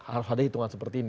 harus ada hitungan seperti ini